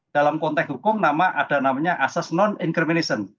dalam konteks hukum ada namanya asas non incrimination